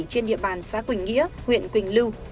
trên địa bàn xã quỳnh nghĩa huyện quỳnh lưu